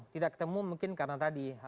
tidak ketemu mungkin karena tadi